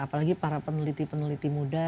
apalagi para peneliti peneliti muda